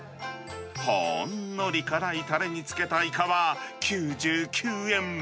ほんのり辛いたれにつけたイカは９９円。